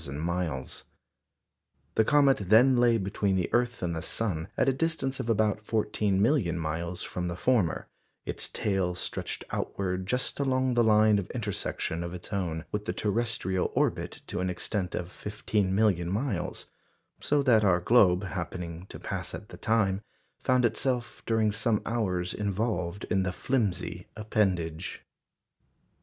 The comet then lay between the earth and the sun at a distance of about fourteen million miles from the former; its tail stretched outward just along the line of intersection of its own with the terrestrial orbit to an extent of fifteen million miles; so that our globe, happening to pass at the time, found itself during some hours involved in the flimsy appendage.